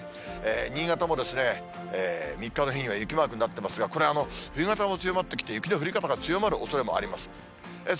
新潟も３日の日には雪マークになってますが、これは冬型も強まってきて、雪の降り方が強まるおそれもあります。